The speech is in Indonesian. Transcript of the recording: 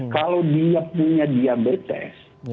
kalau dia punya diabetes